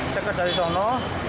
saya ke dari sana